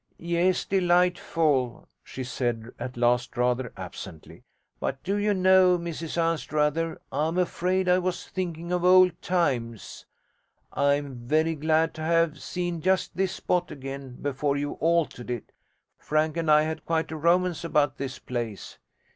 'Yes, delightful,' she said at last rather absently. 'But do you know, Mrs Anstruther, I'm afraid I was thinking of old times. I'm very glad to have seen just this spot again before you altered it. Frank and I had quite a romance about this place.'